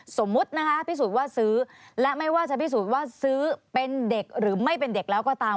สมมุตินะคะพิสูจน์ว่าซื้อและไม่ว่าจะพิสูจน์ว่าซื้อเป็นเด็กหรือไม่เป็นเด็กแล้วก็ตาม